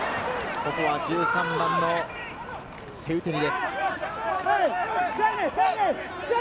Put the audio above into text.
ここは１３番のセウテニです。